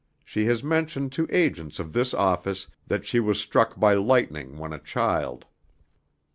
She has mentioned to agents of this office that she was struck by lightning when a child.